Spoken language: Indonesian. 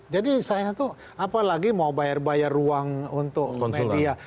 jadi saya itu apalagi mau bayar bayar ruang untuk media